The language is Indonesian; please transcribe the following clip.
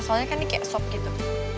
soalnya kan ini kayak sop gitu